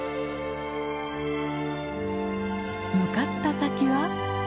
向かった先は？